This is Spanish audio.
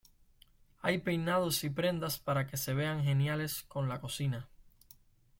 Hay peinados y prendas para que se vean geniales con la cocina.